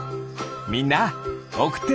みんなおくってね！